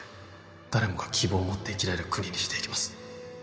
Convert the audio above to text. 誰もが希望を持って生きられる国にしていきます